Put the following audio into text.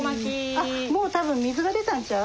あっもう多分水が出たんちゃう？